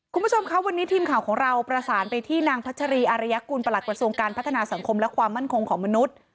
คุณผู้ชมครับวันนี้ทีมข่าวของเราประสานไปที่นางพัชรีอารยกุลประหลักกระทรวงการพัฒนาสังคมและความมั่นคงของมนุษย์